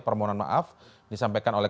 permohonan maaf disampaikan oleh